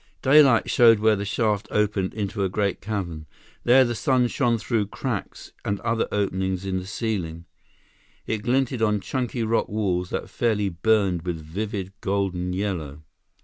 Daylight showed where the shaft opened into a great cavern. There, the sun shone through cracks and other openings in the ceiling. It glinted on chunky rock walls that fairly burned with vivid golden yellow.